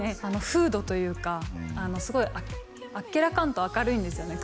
風土というかすごいあっけらかんと明るいんですよね